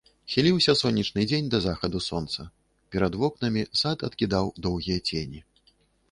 Хіліўся сонечны дзень да захаду сонца, перад вокнамі сад адкідаў доўгія цені.